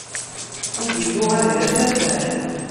Udi yuɣal d asafar.